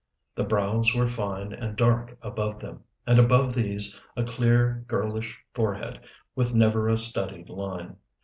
The brows were fine and dark above them, and above these a clear, girlish forehead with never a studied line.